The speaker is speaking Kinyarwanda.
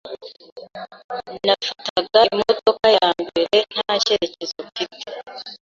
nafataga imodoka ya mbere nta cyerekezo mfite.